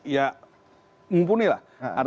ya mumpuni lah